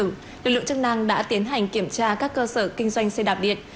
lực lượng chức năng đã tiến hành kiểm tra các cơ sở kinh doanh xe đạp điện